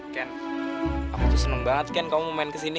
ken aku tuh seneng banget ken kamu mau main ke sini